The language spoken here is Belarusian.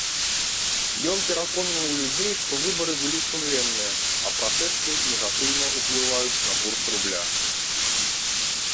Ён пераконваў людзей, што выбары былі сумленныя, а пратэсты негатыўна ўплываюць на курс рубля.